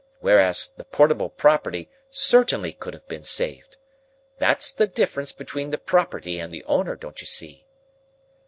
Whereas, the portable property certainly could have been saved. That's the difference between the property and the owner, don't you see?"